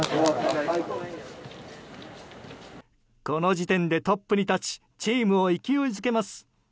この時点でトップに立ちチームを勢いづけます。